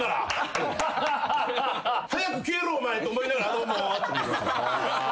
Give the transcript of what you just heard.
「早く消えろお前」と思いながらどうもって。